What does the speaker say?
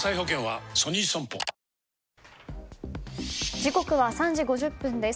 時刻は３時５０分です。